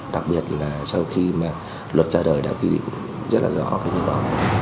đặc biệt là sau khi mà luật ra đời đã quy định rất là rõ